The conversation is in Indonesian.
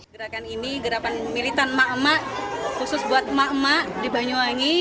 gerakan ini gerakan militan emak emak khusus buat emak emak di banyuwangi